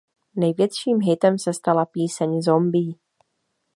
Největším hitem se stala píseň Zombie.